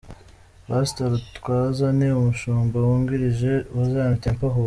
Pastor Rutwaza ni umushumba wungirije wa Zion Temple Huye.